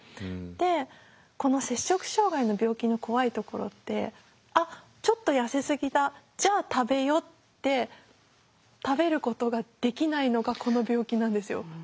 でこの摂食障害の病気の怖いところってあっちょっと痩せすぎだじゃあ食べよって食べることができないのがこの病気なんですよ。